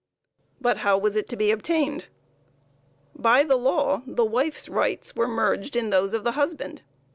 But how was it to be obtained? By the law the wife's rights were merged in those of the husband.